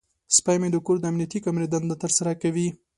سپی مې د کور د امنیتي کامرې دنده ترسره کوي.